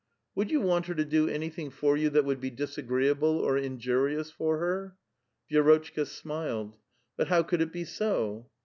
"Would you want her to do aiivthing: for you that would be disagreeable or injurious for her ?" Vi^rotchka smiled. " But how could it be so?